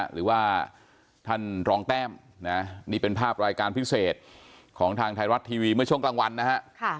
หรือว่าท่านรองแต้มนะนี่เป็นภาพรายการพิเศษของทางไทยรัฐทีวีเมื่อช่วงกลางวันนะฮะ